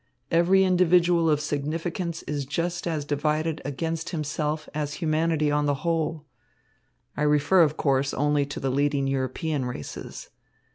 Every individual of significance is just as divided against himself as humanity on the whole. I refer, of course, only to the leading European races.